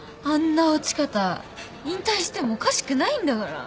あんな落ち方引退してもおかしくないんだから。